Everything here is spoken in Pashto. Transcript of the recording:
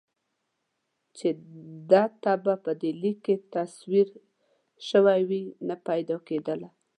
چې ده ته په دې لیک کې تصویر شوې وای نه پیدا کېدله.